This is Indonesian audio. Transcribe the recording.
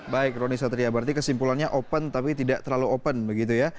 baik roni satria berarti kesimpulannya open tapi tidak terlalu open begitu ya